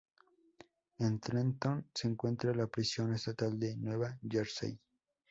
En Trenton se encuentra la Prisión Estatal de Nueva Jersey.